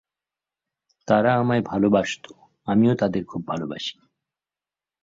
তারা আমায় ভালবাসত, আমিও তাদের খুব ভালবাসি।